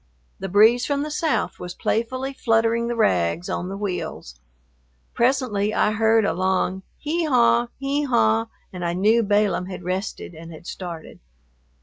The breeze from the south was playfully fluttering the rags on the wheels. Presently I heard a long "hee haw, hee haw," and I knew Balaam had rested and had started.